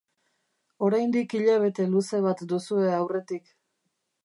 Oraindik hilabete luze bat duzue aurretik